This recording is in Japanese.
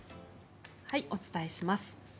お伝えします。